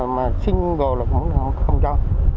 mà xin vô là cũng không cho